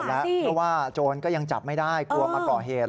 เพราะว่าโจรก็ยังจับไม่ได้กลัวมาก่อเหตุ